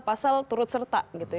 pasal turut serta